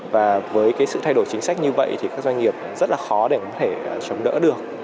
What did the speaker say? và với sự thay đổi chính sách như vậy thì các doanh nghiệp rất là khó để có thể chống đỡ được